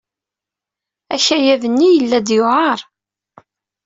Akayad-nni yella-d yewɛeṛ.